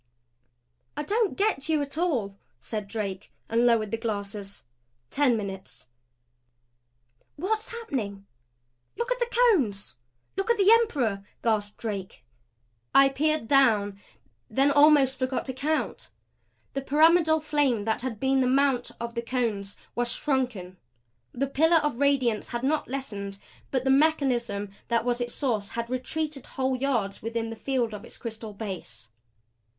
"I don't get you at all," said Drake, and lowered the glasses. Ten minutes. "What's happening? Look at the Cones! Look at the Emperor!" gasped Drake. I peered down, then almost forgot to count. The pyramidal flame that had been the mount of Cones was shrunken. The pillar of radiance had not lessened but the mechanism that was its source had retreated whole yards within the field of its crystal base.